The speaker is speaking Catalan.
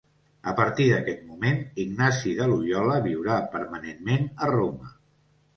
A partir d'aquest moment Ignasi de Loiola viurà permanentment a Roma.